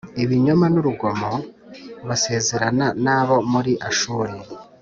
ibinyoma n urugomo Basezerana n abo muri Ashuri